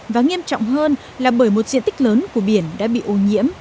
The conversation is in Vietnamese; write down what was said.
và nghiêm trọng hơn là bởi một diện tích lớn của biển đã bị ô nhiễm